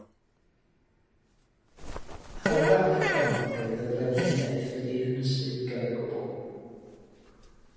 Ar yr adeg honno, roedd y frenhiniaeth wedi'i hynysu'n gyfan gwbl.